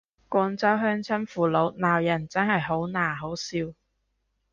廣州鄉親父老鬧人真係好嗱好笑